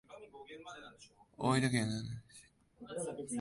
大分県国東市